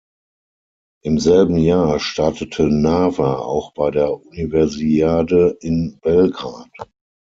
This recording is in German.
Im selben Jahr startete Nava auch bei der Universiade in Belgrad.